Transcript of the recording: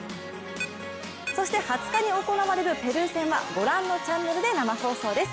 そして２０日に行われるペルー戦はご覧のチャンネルで生放送です。